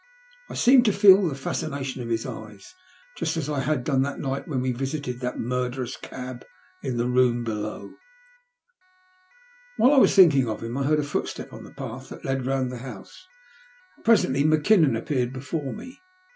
I seemed to feel the fascination of his eyes just as I had done that night when we visited that murderous cab in the room below. While I was thinking of him, I heard a footstep on the path that led round the house, and presently Mackinnon appeared before me.